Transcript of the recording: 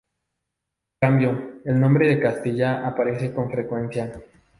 En cambio, el nombre de Castilla aparece con frecuencia.